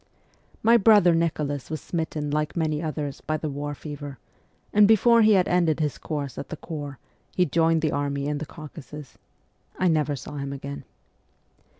My brother Nicholas was smitten like many others by the war fever, and before he had ended his course at the corps he joined the army in the Caucasus. I never saw him again.